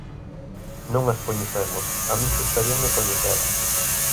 Non as coñecemos, a min gustaríame coñecelas.